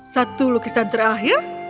satu lukisan terakhir